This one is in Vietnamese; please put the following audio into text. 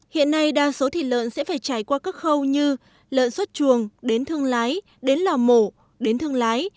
hiện nay đa số thịt lợn sẽ phải trải qua các khâu như lợn xuất chuồng đến thương lái đến lò mổ đến thương lái